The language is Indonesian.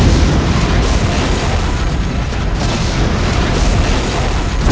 rayus rayus sensa pergi